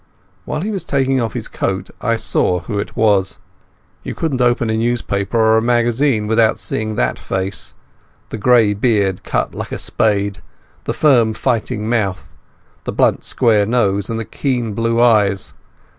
While he was taking off his coat I saw who it was. You couldn't open a newspaper or a magazine without seeing that face—the grey beard cut like a spade, the firm fighting mouth, the blunt square nose, and the keen blue eyes.